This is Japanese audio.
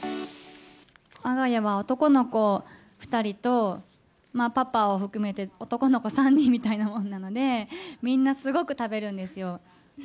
わが家は男の子２人と、パパを含めて、男の子３人みたいなもんなので、みんなすごく食べるんですよ。